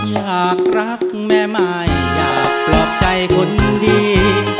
อยากรักแม่ใหม่อยากปลอบใจคนดี